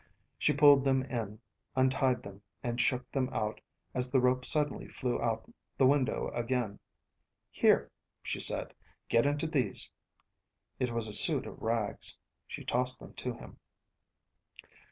She pulled them in, untied them, and shook them out as the rope suddenly flew out the window again. "Here," she said. "Get into these." It was a suit of rags. She tossed them to him.